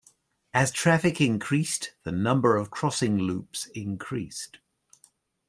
As traffic increased the number of crossing loops increased.